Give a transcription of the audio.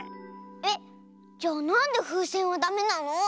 えっじゃあなんでふうせんはダメなの？